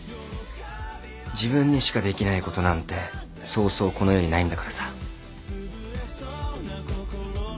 自分にしかできないことなんてそうそうこの世にないんだからさ。